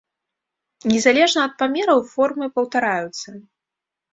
Незалежна ад памераў формы паўтараюцца.